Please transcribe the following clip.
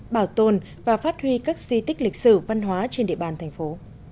bảo tồn và phát huy các di tích lịch sử văn hóa trên địa bàn thành phố